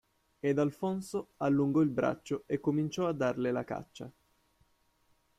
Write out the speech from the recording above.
Ed Alfonso allungò il braccio e cominciò a darle la caccia.